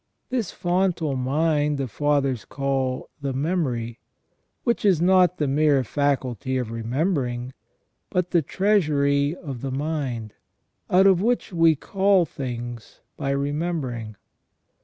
This fontal mind the Fathers call the memory, which is not the mere faculty of remembering, but the treasury of the mind, out of which we call things by remembering.